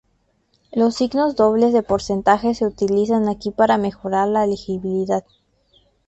Los signos dobles de porcentaje se utilizan aquí para mejorar la legibilidad.